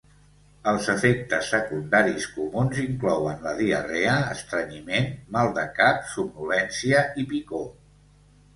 Els efectes secundaris comuns inclouen la diarrea, estrenyiment, mal de cap, somnolència i picor.